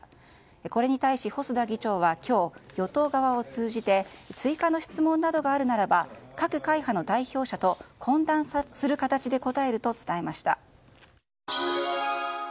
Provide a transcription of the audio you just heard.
これに対し細田議長は今日与党側を通じて追加の質問などがあるならば各会派の代表者と懇談する形で答えると伝えました。